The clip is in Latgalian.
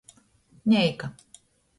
Neika.